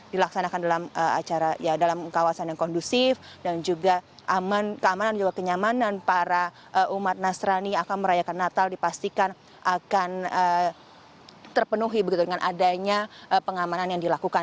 dilaksanakan dalam acara ya dalam kawasan yang kondusif dan juga aman keamanan juga kenyamanan para umat nasrani akan merayakan natal dipastikan akan terpenuhi begitu dengan adanya pengamanan yang dilakukan